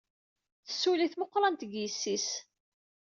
Tessulli tmeqrant deg yessi-s.